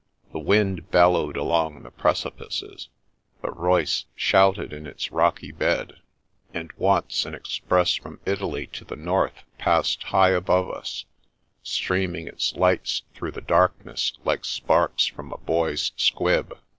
The wind bel lowed along the precipices, tihe Reuss shouted in its rocky bed, and once an express from Italy to the north passed high above us, streaming its lights through the darkness like sparks from a boy's squib.